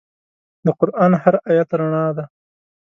د قرآن هر آیت رڼا ده.